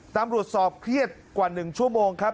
ตำรวจสอบเครียดกว่า๑ชั่วโมงครับ